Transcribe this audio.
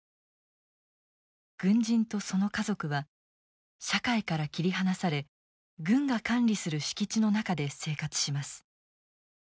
軍人とその家族は社会から切り離され軍が管理する敷地の中で生活します。